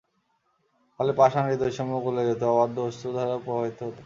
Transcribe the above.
ফলে পাষাণ হৃদয়সমূহ গলে যেত, অবাধ্য অশ্রুধারা প্রবাহিত হত।